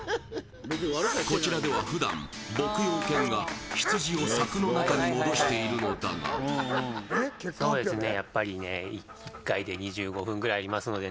こちらでは普段牧羊犬が羊を柵の中に戻しているのだがそうですね